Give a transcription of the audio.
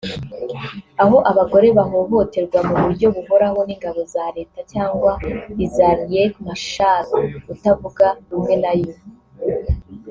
aho abagore bahohoterwa mu buryo buhoraho n’ingabo za Leta cyangwa iza Riek Machar utavuga rumwe na yo